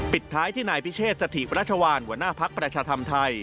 ปิดท้ายที่นายพิเชษสถิรัชวานหัวหน้าภักดิ์ประชาธรรมไทย